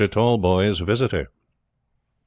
TALLBOYS' VISITOR. Mr.